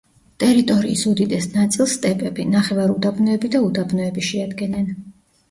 ტერიტორიის უდიდეს ნაწილს სტეპები, ნახევარუდაბნოები და უდაბნოები შეადგენენ.